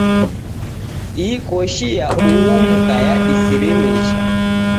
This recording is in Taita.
Ii Koshi ya ya uhu mka yadisirimisha.